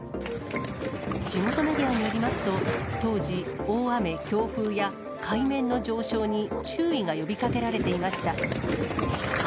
地元メディアによりますと、当時、大雨、強風や海面の上昇に注意が呼びかけられていました。